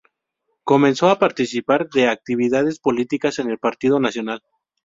Comenzó a participar de actividades políticas en el Partido Nacional.